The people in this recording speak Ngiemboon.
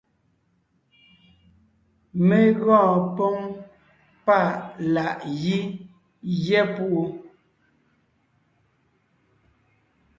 Mé gɔɔn póŋ páʼ láʼ gí gyɛ́ púʼu.